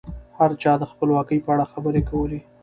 هر چا د خپلواکۍ په اړه خبرې کولې.